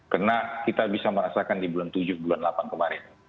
karena kita bisa merasakan di bulan tujuh bulan delapan kemarin